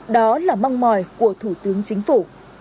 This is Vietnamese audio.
đó là mong mỏi của thủ tướng chính phủ